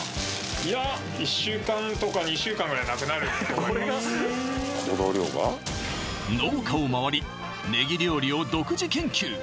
いや１週間とか２週間ぐらいでなくなると思います農家を回りねぎ料理を独自研究